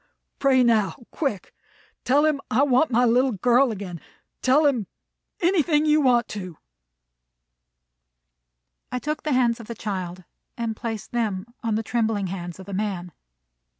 "Pray now, quick. Tell him I want my little girl again. Tell him anything you want to." I took the hands of the child, and placed them on the trembling hands of the man.